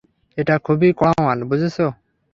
এটা খুবই কড়া মাল, বুঝেছো?